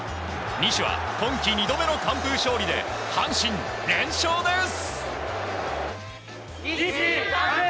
西は今季２度目の完封勝利で阪神、連勝です！